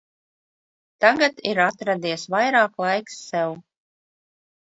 Tagad ir atradies vairāk laiks sev.